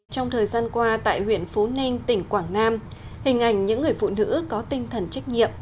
trong thời gian qua tại huyện phú ninh tỉnh quảng nam hình ảnh những người phụ nữ có tinh thần trách nhiệm